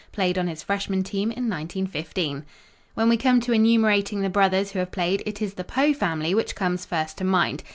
played on his Freshman team in 1915. When we come to enumerating the brothers who have played, it is the Poe family which comes first to mind.